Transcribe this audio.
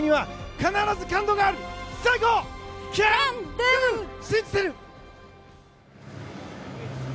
信じてる！